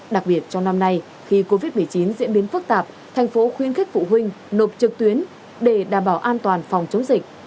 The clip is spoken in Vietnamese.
đặc biệt trong năm nay khi covid một mươi chín diễn biến phức tạp thành phố khuyến khích phụ huynh nộp trực tuyến để đảm bảo an toàn phòng chống dịch